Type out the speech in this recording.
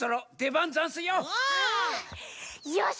よし！